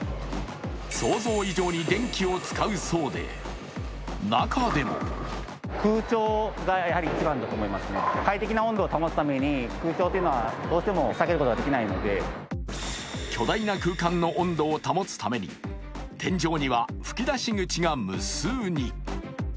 想像以上に電気を使うそうで中でも巨大な空間の温度を保つために天井には吹き出し口が無数に。